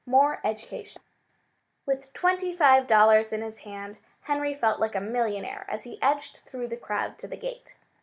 MORE EDUCATION With twenty five dollars in his hand, Henry felt like a millionaire as he edged through the crowd to the gate.